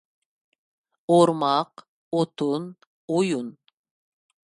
ئورماق، ئوتۇن، ئويۇن.